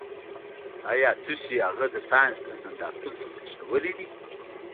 ایا تاسو هغه د ساینس له نندارتون څخه تښتولی دی